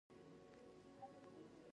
له کله چې دغه شاتګ پیل شوی دوی ټول نیسي.